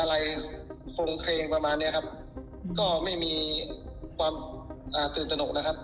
อะไรโครงเคลงประมาณเนี้ยครับก็ไม่มีความอ่าตื่นตนกนะครับ